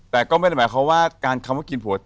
แต่ก็ไม่ได้หมายความว่าการคำว่ากินผัว